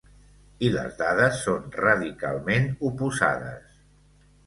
I les dades són radicalment oposades.